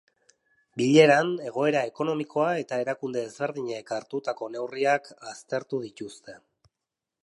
Bileran egoera ekonomikoa eta erakunde ezberdinek hartutako neurriak aztertu dituzte.